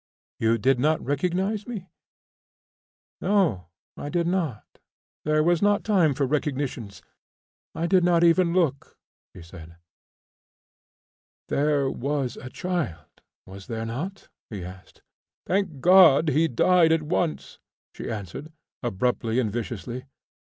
"You did not recognise me?" "No, I did not; there was not time for recognitions. I did not even look," she said. "There was a child, was there not?" he asked. "Thank God! he died at once," she answered, abruptly and viciously.